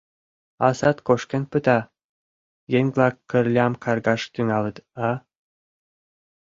А сад кошкен пыта — еҥ-влак Кырлям каргаш тӱҥалыт, а?